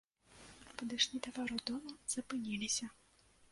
Падышлі да варот дома, запыніліся.